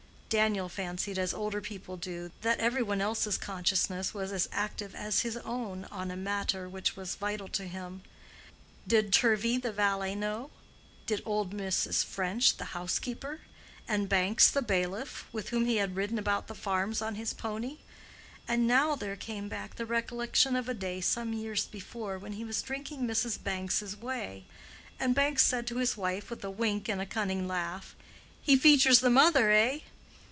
Daniel fancied, as older people do, that every one else's consciousness was as active as his own on a matter which was vital to him. Did Turvey the valet know?—and old Mrs. French the housekeeper?—and Banks the bailiff, with whom he had ridden about the farms on his pony?—And now there came back the recollection of a day some years before when he was drinking Mrs. Banks's whey, and Banks said to his wife with a wink and a cunning laugh, "He features the mother, eh?"